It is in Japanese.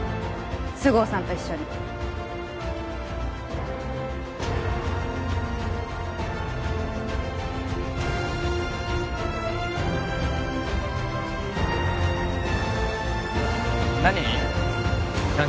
菅生さんと一緒に何？